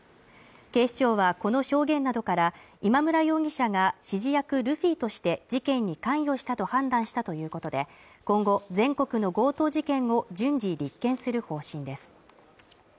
警視庁はこの証言などから今村容疑者が指示役ルフィとして、事件に関与したと判断したということで、今後、全国の強盗事件を順次立件する方針です。